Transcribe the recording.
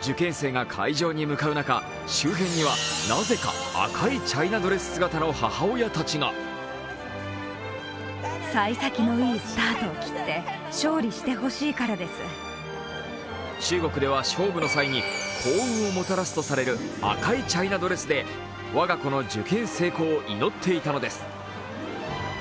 受験生が会場に向かう中周辺にはなぜか赤いチャイナドレス姿の母親たちが中国では勝負の際に幸運をもたらすとされる赤いチャイナドレスで我が子の受験成功を祈っていたのです。